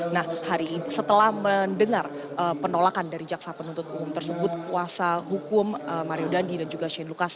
nah hari ini setelah mendengar penolakan dari jaksa penuntut umum tersebut kuasa hukum mario dandi dan juga shane lucas